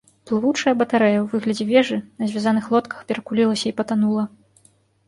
Плывучая батарэя ў выглядзе вежы на звязаных лодках перакулілася і патанула.